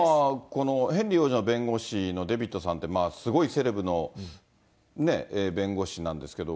このヘンリー王子の弁護士のデビッドさんって、すごいセレブの弁護士なんですけど。